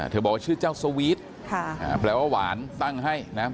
บอกว่าชื่อเจ้าสวีทแปลว่าหวานตั้งให้นะ